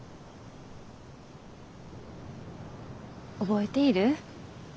覚えている？